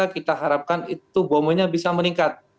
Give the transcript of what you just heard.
kita harapkan itu bomonya bisa meningkat